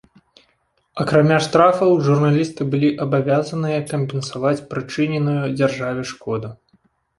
Акрамя штрафаў, журналісты былі абавязаныя кампенсаваць прычыненую дзяржаве шкоду.